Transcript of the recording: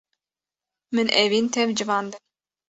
Min evîn tev civandin.